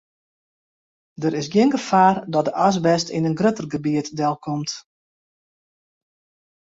Der is gjin gefaar dat de asbest yn in grutter gebiet delkomt.